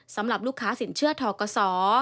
สำหรับลูกค้าสินเชื่อทกศ